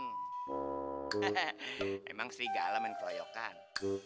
hehehe emang serigala main keroyokan